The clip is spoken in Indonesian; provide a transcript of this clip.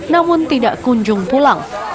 namun tidak kunjung pulang